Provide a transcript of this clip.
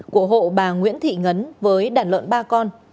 của hộ bà nguyễn thị ngấn với đàn lợn ba con